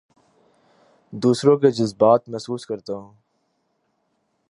دوسروں کے جذبات محسوس کرتا ہوں